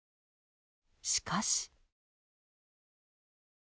しかし。